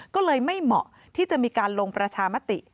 ก็เลยไม่เหมาะที่จะมีการลงประชามติ